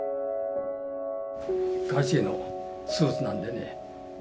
和重のスーツなんでね。